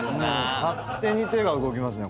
勝手に手が動きますね。